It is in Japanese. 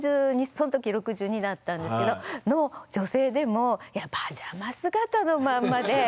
その時６２だったんですけどの女性でもいやパジャマ姿のまんまで。